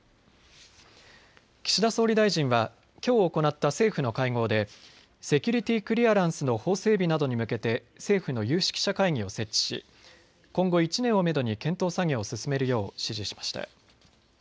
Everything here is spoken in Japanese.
岸田総理大臣はきょう行った政府の会合でセキュリティークリアランスの法整備などに向けて政府の有識者会議を設置し今後１年をめどに検討作業を進めるよう指示しました。